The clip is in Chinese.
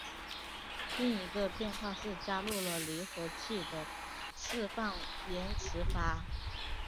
另一个变化是加入了离合器的释放延迟阀。